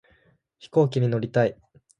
飛行機に乗りたい